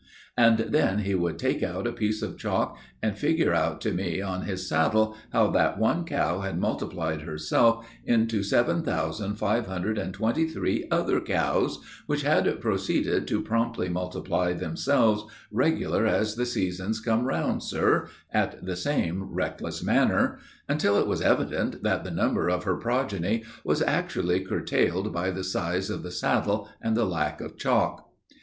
And then he would take out a piece of chalk and figure out to me on his saddle how that one cow had multiplied herself into seven thousand five hundred and twenty three other cows, which had proceeded to promptly multiply themselves, 'regular as the seasons come round, sir,' in the same reckless manner, until it was evident that the number of her progeny was actually curtailed by the size of the saddle and the lack of chalk.